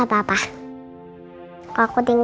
nah aku adadyu consecutinya